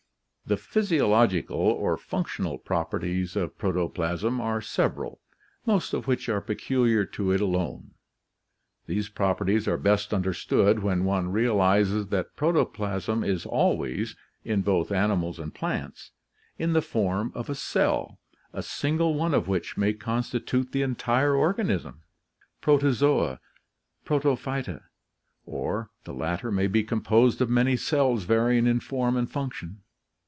— The physiological or functional properties of protoplasm are several, most of which are peculiar to it alone. These properties are best understood when one realizes that protoplasm is always, in both animals and plants, in the form of a cell, a single one of which may constitute the entire organism (Protozoa, Protophyta), or the latter may be composed of many cells varying in form and function.